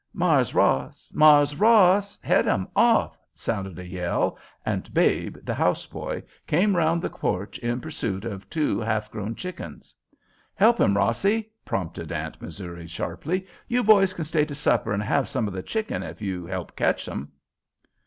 "Mars' Ross—Mars' Ross! Head 'em off!" sounded a yell, and Babe, the house boy, came around the porch in pursuit of two half grown chickens. "Help him, Rossie," prompted Aunt Missouri, sharply. "You boys can stay to supper and have some of the chicken if you help catch them."